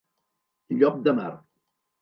Llop de mar.